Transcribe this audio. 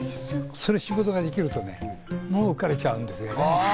その仕事ができると浮かれちゃうんですよね。